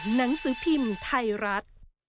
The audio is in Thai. หนังสือพิมพ์ไทยรัฐ